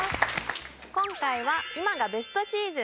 今回は今がベストシーズン